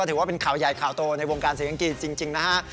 ถือว่าเป็นข่าวใหญ่ข่าวโตในวงการศรีอังกฤษจริงนะฮะ